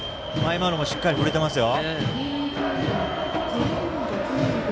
今のもしっかり振れていました。